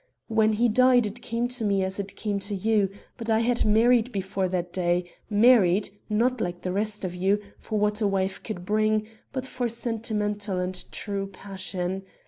When he died it came to me as it came to you; but I had married before that day; married, not, like the rest of you, for what a wife could bring, but for sentiment and true passion.